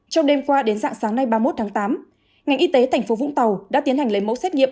trong đêm qua đến sáng nay ba mươi một tháng tám ngành y tế thành phố vũng tàu đã tiến hành lấy mẫu xét nghiệm